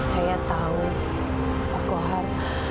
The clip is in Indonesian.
saya tahu pak kohar